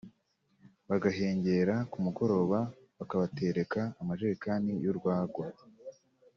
bagahengera ku mugoroba bakabatereka amajerekani y’urwagwa